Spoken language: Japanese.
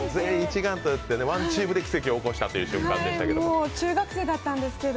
全員一丸となってワンチームで奇跡を起こした瞬間でしたけど。